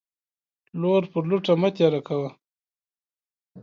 لور پر لوټه مه تيره کوه.